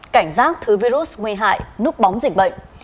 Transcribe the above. cảnh giác thứ virus nguy hại núp bóng dịch bệnh